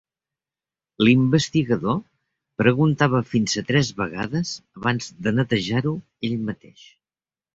L'investigador preguntava fins a tres vegades abans de netejar-ho ell mateix.